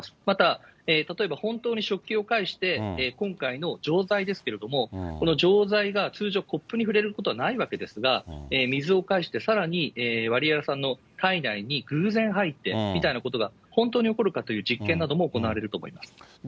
また、例えば本当に食器を介して、今回の錠剤ですけれども、この錠剤が通常、コップに触れることはないわけですが、水を介してさらにワリエワさんの体内に偶然入ってみたいなことが本当に起こるかというような実験なども行われると思います。